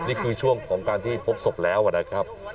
นี่คือช่วงของการที่พบศพแล้วนะครับ